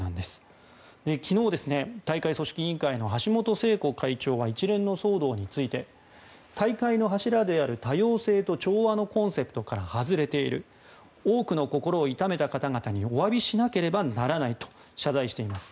昨日、大会組織委員会の橋本聖子会長は一連の騒動について大会の柱である多様性と調和のコンセプトから外れている多くの心を痛めた方々におわびしなければならないと謝罪しています。